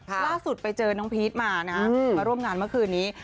ล่าสุดไปเจอน้องพีชมานะมาร่วมงานเมื่อคืนนี้